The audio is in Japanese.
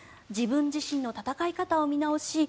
自分自身の戦い方を見直し